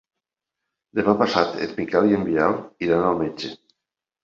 Demà passat en Miquel i en Biel iran al metge.